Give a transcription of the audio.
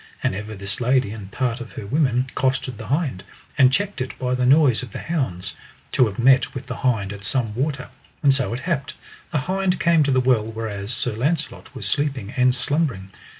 And ever this lady and part of her women costed the hind, and checked it by the noise of the hounds, to have met with the hind at some water; and so it happed, the hind came to the well whereas Sir Launcelot was sleeping and slumbering.